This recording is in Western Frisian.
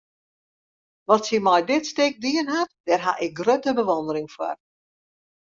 Wat sy mei dit stik dien hat, dêr haw ik grutte bewûndering foar.